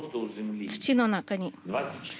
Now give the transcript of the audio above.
土の中に。